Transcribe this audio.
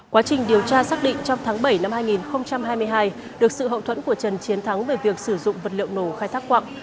quá trình điều tra xác định trong tháng bảy năm hai nghìn hai mươi hai được sự hậu thuẫn của trần chiến thắng về việc sử dụng vật liệu nổ khai thác quạng